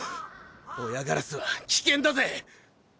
・親ガラスは危険だぜ！